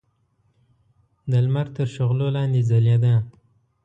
د لمر تر شغلو لاندې ځلېده.